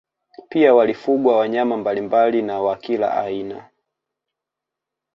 Pia walifugwa wanyama mbalimbali na wa kila aina